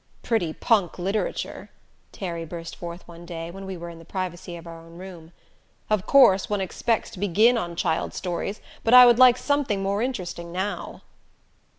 "Pretty punk literature," Terry burst forth one day, when we were in the privacy of our own room. "Of course one expects to begin on child stories, but I would like something more interesting now."